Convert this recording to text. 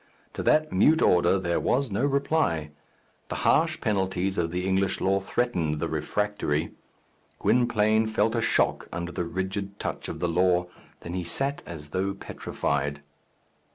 To that mute order there was no reply. The harsh penalties of the English law threatened the refractory. Gwynplaine felt a shock under the rigid touch of the law; then he sat as though petrified.